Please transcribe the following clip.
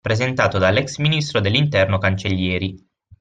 Presentato dall’ex ministro dell’interno Cancellieri